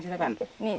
cucu tangan dulu